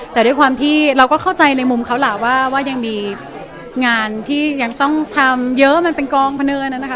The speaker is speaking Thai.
แต่ด้วยความที่เราก็เข้าใจในมุมเขาล่ะว่ายังมีงานที่ยังต้องทำเยอะมันเป็นกองพะเนินนะคะ